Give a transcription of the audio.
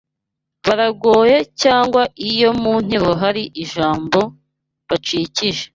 baragoye cyangwa iyo mu nteruro hari ijambo bacikije